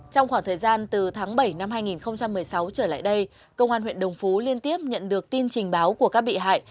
trong khoảng thời gian từ tháng bảy năm hai nghìn một mươi sáu trở lại đây công an huyện đồng phú liên tiếp nhận được tin trình báo của các bị hại